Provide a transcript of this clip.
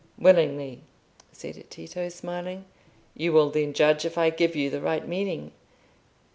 "Willingly," said Tito, smiling. "You will then judge if I give you the right meaning."